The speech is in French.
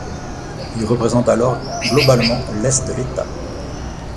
Il représente alors globalement l'est de l'État.